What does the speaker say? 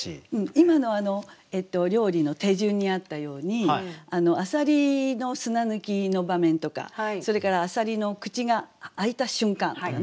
今の料理の手順にあったようにあさりの砂抜きの場面とかそれからあさりの口が開いた瞬間とかね